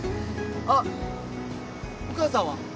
あっお母さんは？えっ？